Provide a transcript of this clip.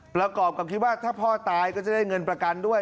ประกอบกับคิดว่าถ้าพ่อตายก็จะได้เงินประกันด้วย